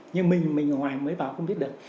nhưng mình mình ở ngoài mới vào không biết được